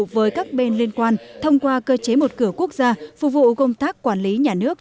với các bên liên quan thông qua cơ chế một cửa quốc gia phục vụ công tác quản lý nhà nước